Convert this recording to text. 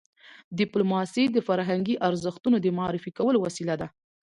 ډيپلوماسي د فرهنګي ارزښتونو د معرفي کولو وسیله ده.